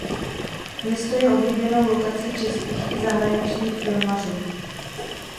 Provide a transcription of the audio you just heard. Město je oblíbenou lokací českých i zahraničních filmařů.